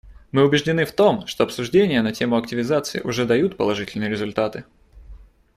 Мы убеждены в том, что обсуждения на тему активизации уже дают положительные результаты.